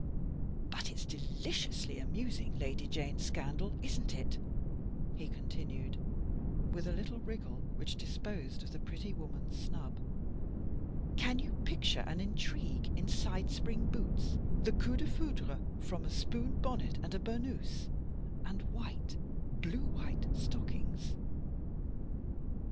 " But it's deliciously amusing, Lady Jane's scandal, isn't it ?" he continued, with a little wriggle which disposed of the pretty woman's snub. " Can you picture an intrigue in side spring boots, the coup defoucbre from a spoon bonnet and a burnous, and white, blue white stockings